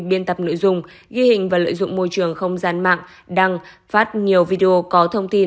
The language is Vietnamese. biên tập nội dung ghi hình và lợi dụng môi trường không gian mạng đăng phát nhiều video có thông tin